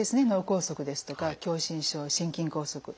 脳梗塞ですとか狭心症心筋梗塞。